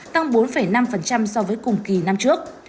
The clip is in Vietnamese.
tăng bốn năm so với cùng kỳ năm trước